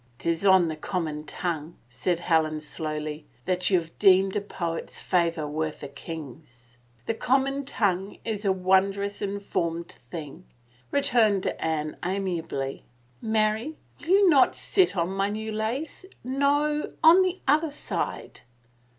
Tis on the common tongue," said Helen slowly, that you have deemed a poet's favor worth a king's." The common tongue is a wondrous informed thing," returned Anne amiably. " Mary, will you not sit on my new lace ?... No — on the other side."